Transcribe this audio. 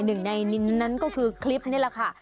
หนึ่งในนั้นก็คือคลิปนี่แหละค่ะ